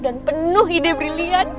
dan penuh ide brilian